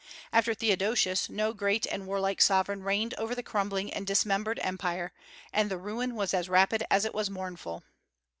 After Theodosius, no great and warlike sovereign reigned over the crumbling and dismembered Empire, and the ruin was as rapid as it was mournful.